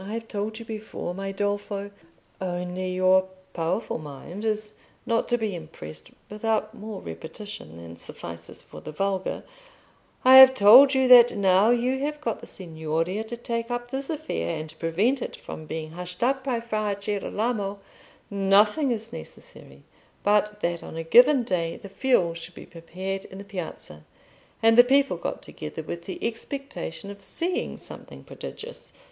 I have told you before, my Dolfo, only your powerful mind is not to be impressed without more repetition than suffices for the vulgar—I have told you that now you have got the Signoria to take up this affair and prevent it from being hushed up by Fra Girolamo, nothing is necessary but that on a given day the fuel should be prepared in the Piazza, and the people got together with the expectation of seeing something prodigious.